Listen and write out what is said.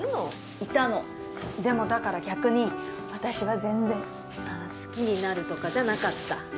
いたのでもだから逆に私は全然あっ好きになるとかじゃなかった